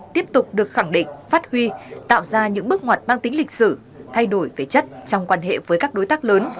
tiếp tục được khẳng định phát huy tạo ra những bước ngoặt mang tính lịch sử thay đổi về chất trong quan hệ với các đối tác lớn